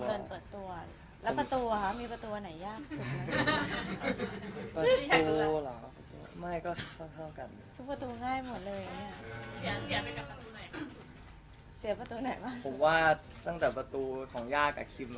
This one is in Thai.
แล้วประตูหรอมีประตูไหนยากสุด